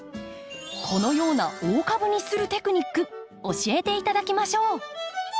このような大株にするテクニック教えて頂きましょう。